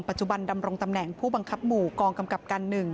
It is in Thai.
ปัจจุบันดำรงตำแหน่งผู้บังคับหมู่กองกำกับการ๑